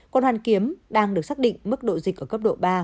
quận hoàn kiếm đang được xác định mức độ dịch ở cấp độ ba